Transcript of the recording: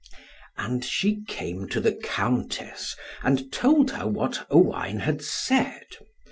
And she came to the Countess, and told her what Owain had said.